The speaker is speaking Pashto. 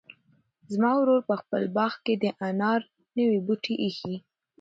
زما ورور په خپل باغ کې د انار نوي بوټي ایښي.